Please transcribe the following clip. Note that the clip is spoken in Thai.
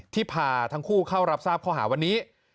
พาทั้งคู่เข้ารับทราบข้อหาวันนี้